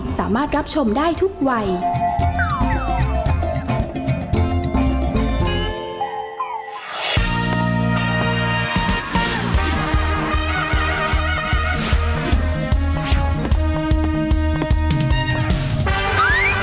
เม่บ้านประจันบาล